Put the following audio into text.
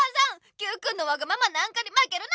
Ｑくんのわがままなんかにまけるな！